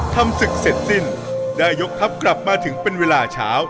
ทำศึกเสร็จสิ้นได้ยกทัพกลับมาถึงเป็นเวลาเช้า